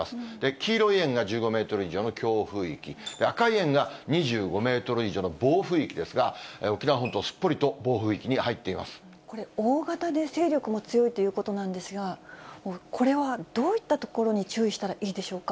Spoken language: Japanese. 黄色い円が１５メートル以上の強風域、赤い円が２５メートル以上の暴風域ですが、沖縄本島、すっぽりとこれ、大型で勢力も強いということなんですが、これはどういったところに注意したらいいでしょうか。